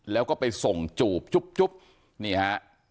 แล้วก็ไปส่งจูบจุ๊บนี่ฮะ